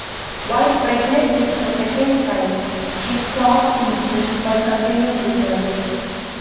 While pregnant with her second child, she stopped teaching but continued research.